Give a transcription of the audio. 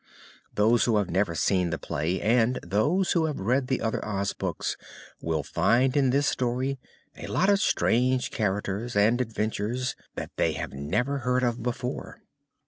Those who have seen the play and those who have read the other Oz books will find in this story a lot of strange characters and adventures that they have never heard of before.